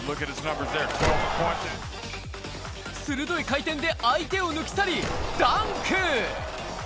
鋭い回転で相手を抜き去り、ダンク！